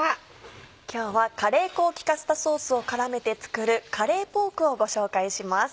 今日はカレー粉を効かせたソースを絡めて作る「カレーポーク」をご紹介します。